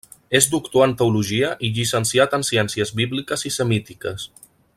És doctor en teologia i llicenciat en ciències bíbliques i semítiques.